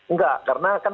enggak karena kan